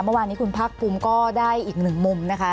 เมื่อวานี้คุณพักกลุ่มก็ได้อีกหนึ่งมุมนะคะ